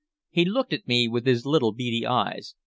He looked at me with his little beady eyes.